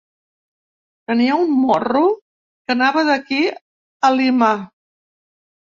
Tenia un morro que anava d'aquí a Lima!